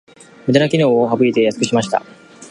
ムダな機能を省いて安くしました